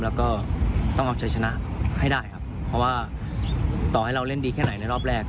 แล้วก็ต้องเอาชัยชนะให้ได้ครับเพราะว่าต่อให้เราเล่นดีแค่ไหนในรอบแรก